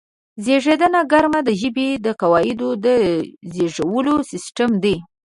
زېږنده ګرامر د ژبې د قواعدو د زېږولو سیستم دی.